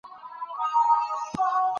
افغانستان له ستوني غرونه ډک دی.